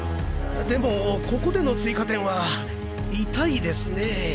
でもここでの追加点は痛いですね。